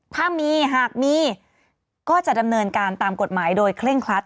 ถ้ามีหากมีก็จะดำเนินการตามกฎหมายโดยเคร่งครัด